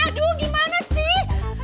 aduh gimana sih